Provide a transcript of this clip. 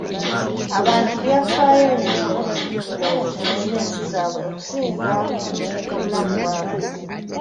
Abantu byafaayo nnyo ku bizinensi zaabwe okusinga obulamu bwabwe.